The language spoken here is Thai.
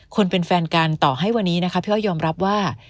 คนเป็นแฟนกันต่อให้วันนี้นะคะพี่อ้อยยอมรับว่า